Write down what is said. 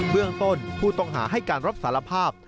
เบื้องต้นผู้ต้องหาให้การรับสารภาพ